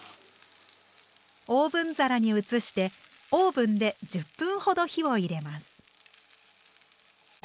オーブン皿に移してオーブンで１０分ほど火を入れます。